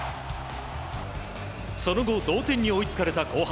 その後、同点に追いつかれた後半。